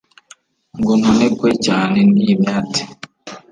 ngo ntonekwe cyane n' iyi myate